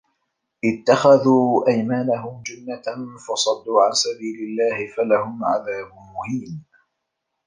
اتَّخَذوا أَيمانَهُم جُنَّةً فَصَدّوا عَن سَبيلِ اللَّهِ فَلَهُم عَذابٌ مُهينٌ